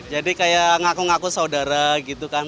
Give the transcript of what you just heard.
jadi kayak ngaku ngaku saudara gitu kan